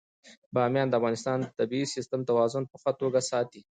بامیان د افغانستان د طبعي سیسټم توازن په ښه توګه ساتي.